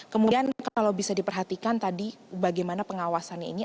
kemudian kalau bisa diperhatikan tadi bagaimana pengawasannya ini